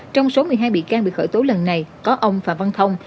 trong số một mươi hai bị can bị khởi tố lần này có ông phạm văn thông